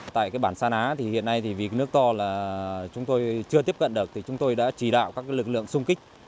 tại bản san á vì nước to chúng tôi chưa tiếp cận được chúng tôi đã chỉ đạo các lực lượng xung kích